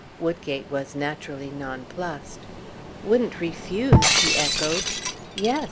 Woodgate was naturally nonplussed. "Wouldn't refuse?" he echoed. "Yes.